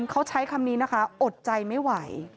เขาใช้คำนี้นะคะอดใจไม่ไหว